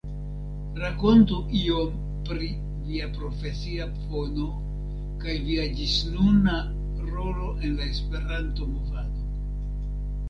Rakontu iom pri via profesia fono kaj via ĝisnuna rolo en la Esperanto-Movado!